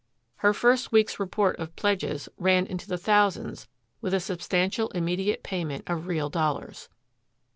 Her first week's report of pledges ran into the thousands with a substantial immediate payment of real dollars.